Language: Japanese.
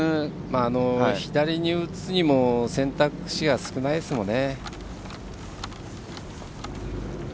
左に打つにも選択肢が少ないですもんね。